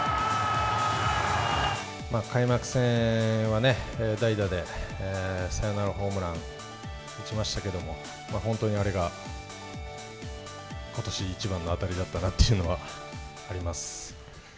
開幕戦はね、代打でサヨナラホームラン、打ちましたけれども、本当にあれが、ことし一番の当たりだったなというのはあります。